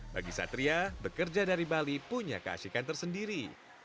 bagi satria bekerja dari bali punya keasikan tersendiri